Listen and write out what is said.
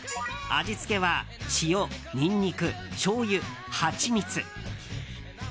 味付けは塩ニンニク、しょうゆ、ハチミツ。